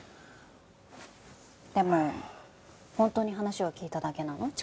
でも本当に話を聞いただけなの？